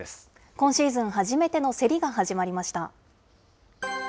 今シーズン初めての競りが始まりました。